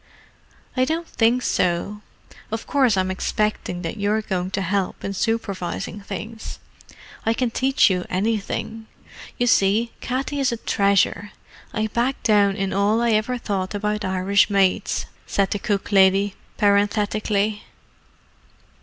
"I don't think so—of course I'm expecting that you're going to help in supervising things. I can teach you anything. You see, Katty is a treasure. I back down in all I ever thought about Irish maids," said the cook lady, parenthetically.